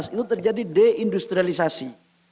itu terjadi deindustrialisasi